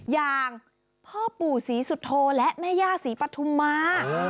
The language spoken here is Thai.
อย่างพ่อปู่ศรีสุโธและแม่ย่าศรีปฐุมมา